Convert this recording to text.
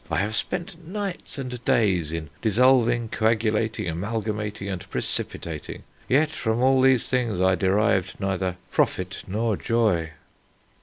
I have spent nights and days in dissolving, coagulating, amalgamating, and precipitating. Yet from all these things I derived neither profit nor joy."